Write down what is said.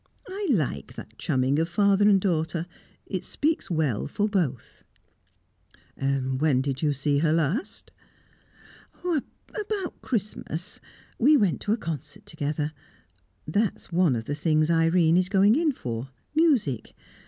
I like that chumming of father and daughter; it speaks well for both." "When did you see her last?" "About Christmas. We went to a concert together. That's one of the things Irene is going in for music.